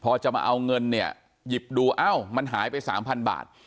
พอจะมาเอาเงินเนี่ยหยิบดูเอ้ามันหายไปสามพันบาท